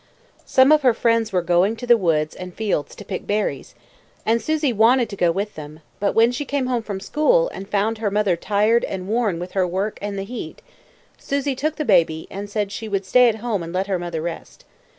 Some of her friends were going to the woods and fields to pick berries, and Susy wanted to go with them; but when she came home from school, and found her mother tired and worn with her work and the heat, Susy took the baby and said she would stay at home and let her mother rest.